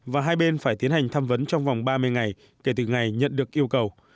và hai bên phải tiến hành tham vấn trong vòng ba mươi ngày kể từ ngày nhận được yêu cầu